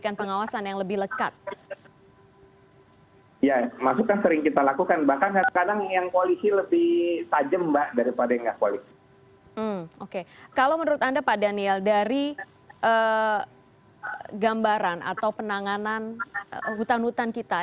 kalau menurut anda pak daniel dari gambaran atau penanganan hutan hutan kita